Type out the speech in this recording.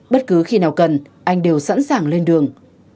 bất cứ khi nào cần anh đều sẵn sàng lên đường